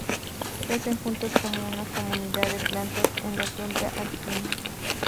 Crecen juntas como una comunidad de plantas en la tundra alpina.